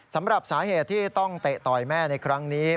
สำหรับสาเหตุที่ต้องเตะต่อยแม่ในครั้งนี้